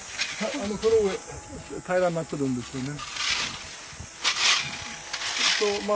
この上平らになってるんですよね。